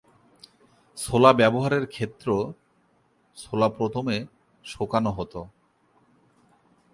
ছোলা ব্যবহারের ক্ষেত্র ছোলা প্রথমে শুকানো হত।